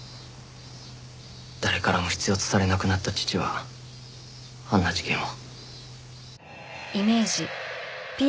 誰からも必要とされなくなった父はあんな事件を。